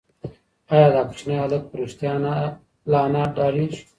ایا دا کوچنی هلک په رښتیا له انا ډارېږي؟